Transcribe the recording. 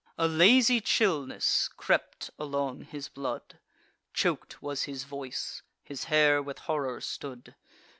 A lazy chillness crept along his blood; Chok'd was his voice; his hair with horror stood.